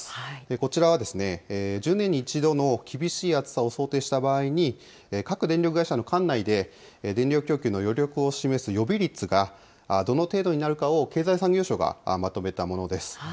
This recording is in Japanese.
こちらは１０年に一度の厳しい暑さを想定した場合に、各電力会社の管内で電力供給の余力を示す予備率がどの程度になるか経済産業省がまとめたものです。